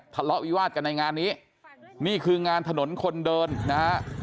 ทะเลาะวิวาสกันในงานนี้นี่คืองานถนนคนเดินนะฮะ